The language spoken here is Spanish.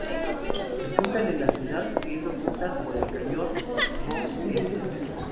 Se juntan en la ciudad, subiendo juntas por el cañón Box Elder.